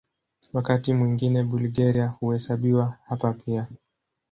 Wakati mwingine Bulgaria huhesabiwa hapa pia.